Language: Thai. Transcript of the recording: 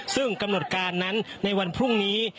ซึ่งกำหนดการนั้นในวันพรุ่งนี้